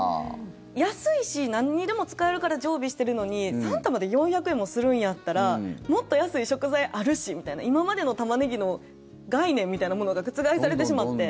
安いし、なんにでも使えるから常備してるのに３玉で４００円もするんやったらもっと安い食材あるしみたいな今までのタマネギの概念みたいなものが覆されてしまって。